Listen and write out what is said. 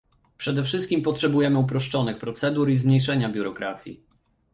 Przede wszystkim potrzebujemy uproszczonych procedur i zmniejszenia biurokracji